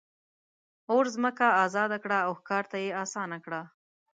اور ځمکه آزاده کړه او ښکار ته یې آسانه کړه.